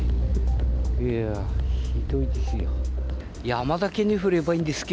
いやー、ひどいですよ。